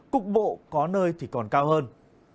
cục bộ có nơi thì còn cao hơn